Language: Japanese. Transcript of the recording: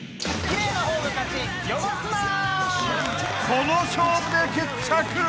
［この勝負で決着］